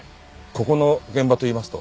ここの現場といいますと？